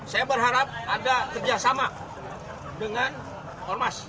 saya berharap ada kerjasama dengan ormas